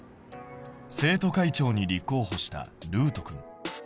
生徒会長に立候補したるうとくん。